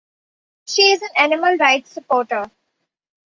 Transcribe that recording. She is an animal-rights supporter.